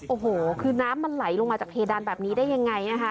โอ้โหคือน้ำมันไหลลงมาจากเพดานแบบนี้ได้ยังไงนะคะ